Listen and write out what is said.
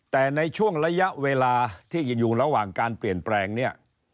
แต่ในช่วงระยะเวลาที่อยู่ระหว่างการเปลี่ยนแปลงเนี่ย